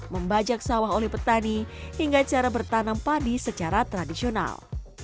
membajak sawah oleh petani hingga cara bertanam padi secara tradisional